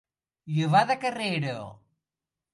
Llevar de carrera.